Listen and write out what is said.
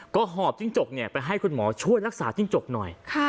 ก็หอบจิ้งจกไปให้คุณหมอช่วยรักษาจิ้งจกหน่อย